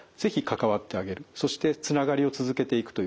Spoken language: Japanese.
そしてつながりを続けていくということですね。